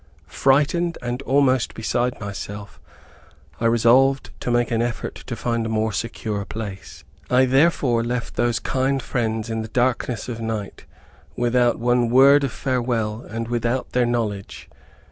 Frightened, and almost beside myself, I resolved to make an effort to find a more secure place. I therefore left those kind friends in the darkness of night, without one word of farewell, and without their knowledge.